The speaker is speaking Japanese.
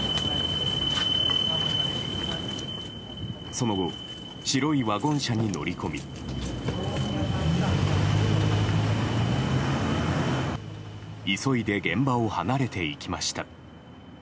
その後、白いワゴン車に乗り込み急いで現場を離れていきました。